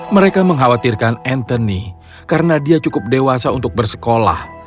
mereka mengkhawatirkan anthony karena dia cukup dewasa untuk bersekolah